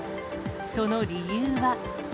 その理由は。